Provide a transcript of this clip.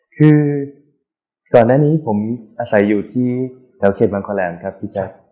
คือก่อนหน้านี้ผมอาศัยอยู่ที่แถวเขตบางคอแหลมครับพี่แจ๊ค